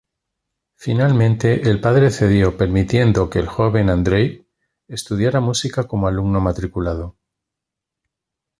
Finalmente, el padre cedió, permitiendo que el joven Andrzej estudiara música como alumno matriculado.